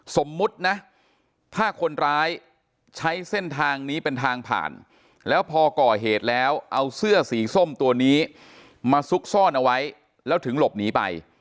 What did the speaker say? สมมุตินะถ้าคนร้ายใช้เส้นทางนี้เป็นทางผ่านแล้วพอก่อเหตุแล้วเอาเสื้อสีส้มตัวนี้มาซุกซ่อนเอาไว้แล้วถึงหลบหนีไป